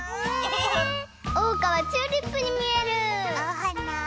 おうかはチューリップにみえる！おはな？